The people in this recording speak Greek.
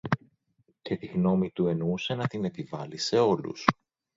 Και τη γνώμη του εννοούσε να την επιβάλλει σε όλους